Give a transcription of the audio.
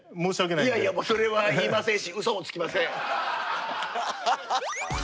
いやいやもうそれは言いませんしうそもつきません。